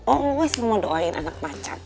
always mama doain anak pacar